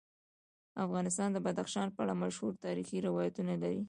افغانستان د بدخشان په اړه مشهور تاریخی روایتونه لري.